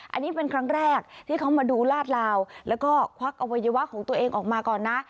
อันนี้เป็นครั้งแรกที่เขามาดูลาดลาวแล้วก็ควักอวัยวะของตัวเองออกมาก่อนนะ